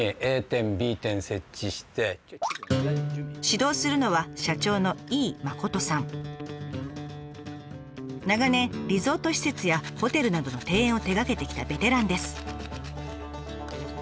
指導するのは長年リゾート施設やホテルなどの庭園を手がけてきたベテランです。